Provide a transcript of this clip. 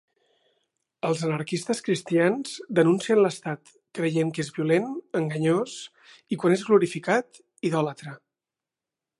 Els anarquistes cristians denuncien l'estat, creient que és violent, enganyós i, quan és glorificat, idòlatra.